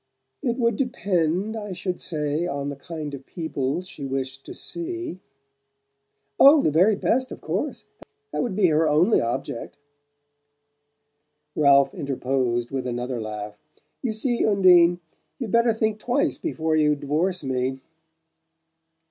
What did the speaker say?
"It would depend, I should say, on the kind of people she wished to see." "Oh, the very best, of course! That would be her only object." Ralph interposed with another laugh. "You see, Undine, you'd better think twice before you divorce me!"